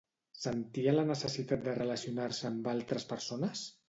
Sentia la necessitat de relacionar-se amb altres persones?